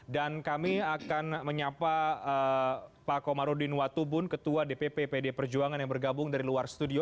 dan kami akan menyapa pak komarudin watubun ketua dpp pdi perjuangan yang bergabung dari luar studio